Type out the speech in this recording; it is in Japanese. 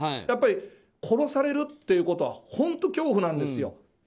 やっぱり、殺されるということは本当に恐怖なんですよ。